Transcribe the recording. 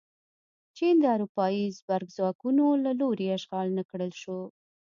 چین د اروپايي زبرځواکونو له لوري اشغال نه کړل شو.